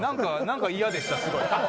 何か嫌でしたすごい。